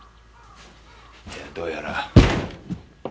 いやどうやら。